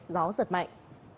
gió giật mạnh